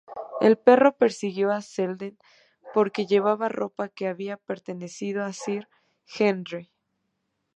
El perro persiguió a Selden porque llevaba ropa que había pertenecido a Sir Henry.